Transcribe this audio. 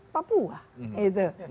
pak jokowi kan ke papua